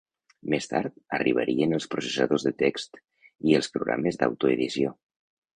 Més tard arribarien els processadors de text i els programes d'autoedició.